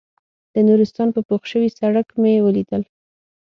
د نورستان په پوخ شوي سړک مې ولیدل.